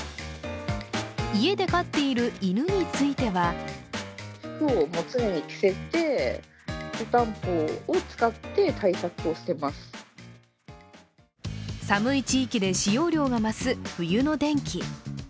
家で飼っている犬については寒い地域で使用量が増す冬の電気。